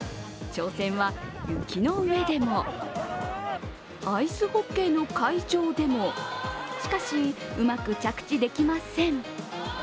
挑戦は雪の上でもアイスホッケーの会場でもしかし、うまく着地できません。